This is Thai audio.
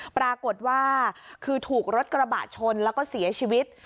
ปรากฏว่าคือถูกรถกระบะชนแล้วก็เสียชีวิต